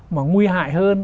mà nguy hại hơn